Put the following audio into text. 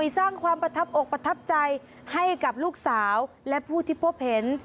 สร้างความประทับอกประทับใจให้กับลูกสาวและผู้ที่พบเห็น